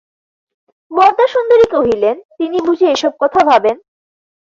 বরদাসুন্দরী কহিলেন, তিনি বুঝি এ-সব কথা ভাবেন?